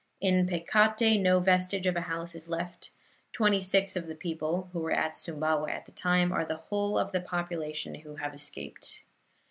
In Pekate no vestige of a house is left; twenty six of the people, who were at Sumbawa at the time, are the whole of the population who have escaped.